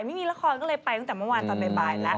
ไม่มีละครก็เลยไปตั้งแต่เมื่อวานตอนบ่ายแล้ว